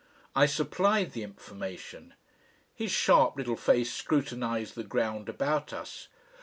I supplied the information. His sharp little face scrutinised the ground about us.